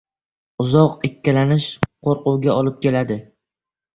• Uzoq ikkilanish qo‘rquvga olib keladi.